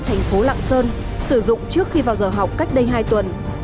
thành phố lạng sơn sử dụng trước khi vào giờ học cách đây hai tuần